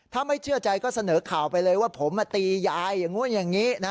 ถ้าไม่เชื่อใจก็เสนอข่าวไปเลยว่าผมมาตียายอย่างนู้นอย่างนี้